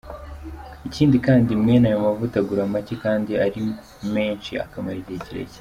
Ikindi kandi mwene ayo mavuta agura make, kandi ari menshi akamara igihe kirekire.